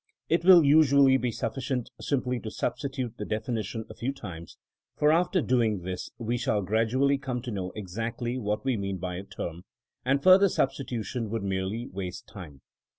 It will usually be sufficient simply to sub stitute the definition a few times, for after doing this we shall gradually come to know exactly what we mean by a term, and further substitu tion would merely waste time.